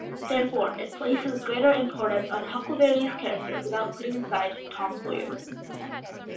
Therefore, it places greater importance on Huckleberry's character without putting aside Tom Sawyer's.